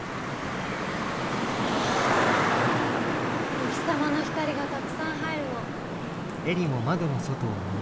お日様の光がたくさん入るの。